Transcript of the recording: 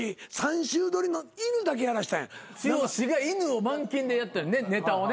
剛が犬をマンキンでやったネタをね。